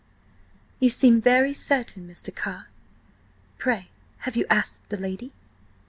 "You seem very certain, Mr. Carr. Pray have you asked the lady?"